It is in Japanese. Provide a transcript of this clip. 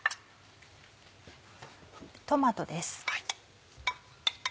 トマトです。